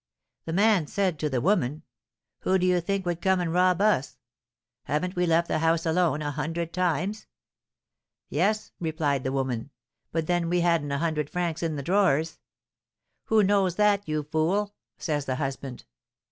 The man said to the woman, 'Who do you think would come and rob us? Haven't we left the house alone a hundred times?' 'Yes,' replied the woman; 'but then we hadn't a hundred francs in the drawers.' 'Who knows that, you fool?' says the husband.